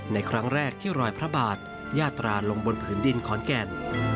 ในครั้งแรกที่รอยพระบาทยาตราลงบนผืนดินขอนแก่น